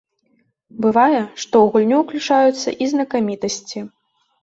Бывае, што ў гульню ўключаюцца і знакамітасці.